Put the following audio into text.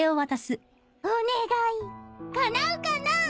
お願いかなうかな。